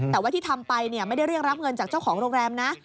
แต่ว่าที่ทำไปไม่ได้เรียกรับเงินจากเจ้าของโรงแรมนะ